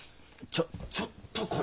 ちょちょっと来い。